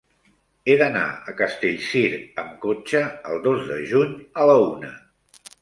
He d'anar a Castellcir amb cotxe el dos de juny a la una.